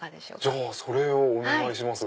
じゃあそれをお願いします。